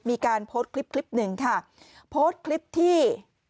มีการโพสต์คลิป๑ค่ะโพสต์คลิปที่